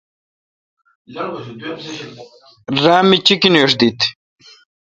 را می چیکینیش دیت۔